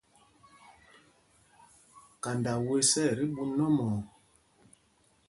Kanda wěs ɛ tí ɓú nɔ́mɔɔ.